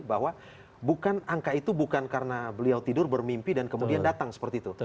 bahwa angka itu bukan karena beliau tidur bermimpi dan kemudian datang seperti itu